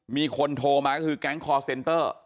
มีคนโทรมาก็คือแก๊งคอร์เซนเตอร์